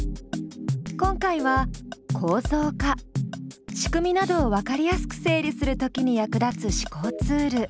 今回は構造化仕組みなどをわかりやすく整理するときに役立つ思考ツール。